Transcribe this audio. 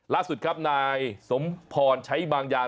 ล่าสุดครับนายสมพรใช้บางอย่าง